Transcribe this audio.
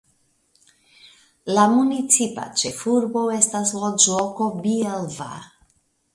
La municipa ĉefurbo estas loĝloko Bielva.